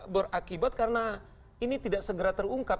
berakibat karena ini tidak segera terungkap